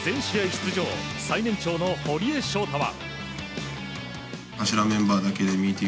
出場最年長の堀江翔太は。